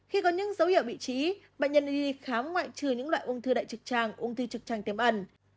khi có những dấu hiệu bị trí bệnh nhân y khám ngoại trừ những loại ung thư đại trực tràng ung thư trực trành tiềm ẩn